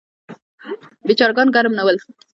بیچاره ګان ګرم نه ول.